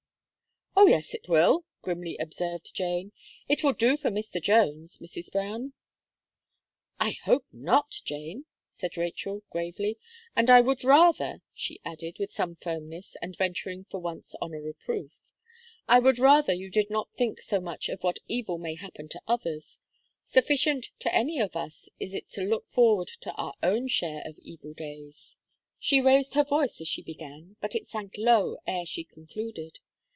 "Oh, yes it will!" grimly observed Jane; "it will do for Mr. Jones, Mrs. Brown." "I hope not, Jane," said Rachel, gravely; "and I would rather," she added, with some firmness, and venturing for once on a reproof, "I would rather you did not think so much of what evil may happen to others. Sufficient to any of us is it to look forward to our own share of evil days." She raised her voice as she began; but it sank low ere she concluded.